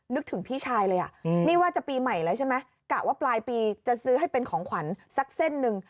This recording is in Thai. นึกถึงพี่ชายเลยอ่ะนี่ว่าจะปีใหม่แล้วใช่ไหมกะว่าปลายปีจะซื้อให้เป็นของขวัญสักเส้นหนึ่ง